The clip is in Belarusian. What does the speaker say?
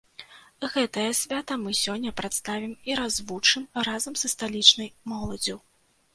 Гэтае свята мы сёння прадставім і развучым разам са сталічнай моладдзю.